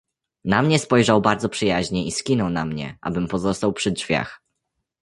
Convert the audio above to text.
"Na mnie spojrzał bardzo przyjaźnie i skinął na mnie, abym pozostał przy drzwiach."